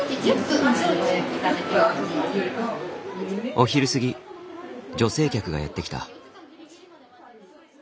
お昼過ぎ女性客がやって来た。